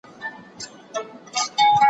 هغه وويل چي جواب ورکول مهم دي!.